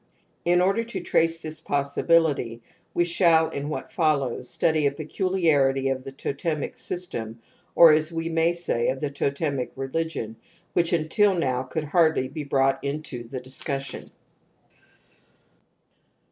In order to trace this possibility we shall in what follows study a peculiarity of the totemic system or, as we may say, of the totemic religion, which until now could hardly be brought into the discussion.